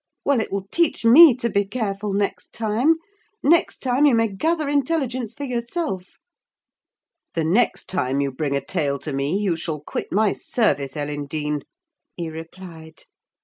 Well, it will teach me to be careful next time. Next time you may gather intelligence for yourself!" "The next time you bring a tale to me you shall quit my service, Ellen Dean," he replied.